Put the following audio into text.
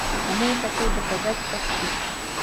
Таму я хацеў даказаць праз суд.